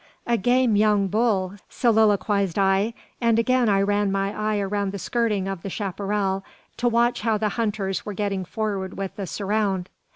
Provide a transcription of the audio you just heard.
"A game young bull," soliloquised I, and again I ran my eye around the skirting of the chapparal to watch how the hunters were getting forward with the "surround."